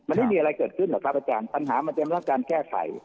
มันไม่มีอะไรเกิดขึ้นหรอกครับอาจารย์ปัญหามันเป็นเรื่องการแก้ไข